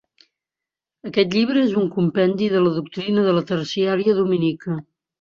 Aquest llibre és un compendi de la doctrina de la terciària dominica.